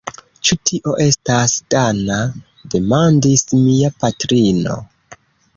Ĉu tio estas dana? demandis mia patrino.